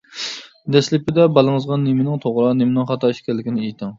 دەسلىپىدە بالىڭىزغا نېمىنىڭ توغرا، نېمىنىڭ خاتا ئىكەنلىكىنى ئېيتىڭ.